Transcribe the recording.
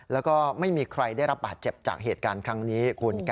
แล้วก็ไม่มีใครได้รับบาดเจ็บจากเหตุการณ์ครั้งนี้คุณ